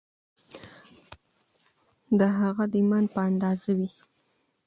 د هغه د ایمان په اندازه وي